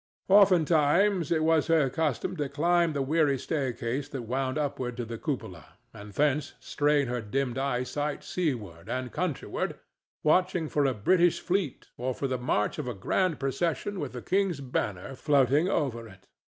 Oftentimes it was her custom to climb the weary staircase that wound upward to the cupola, and thence strain her dimmed eyesight seaward and countryward, watching for a British fleet or for the march of a grand procession with the king's banner floating over it.